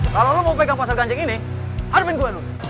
kalau lo mau pegang pasar ganjeng ini harapin gue dulu